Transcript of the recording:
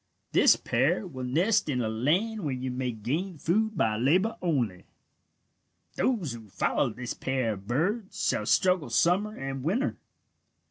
This pair will nest in a land where you may gain food by labour only. "Those who follow this pair of birds shall struggle summer and winter.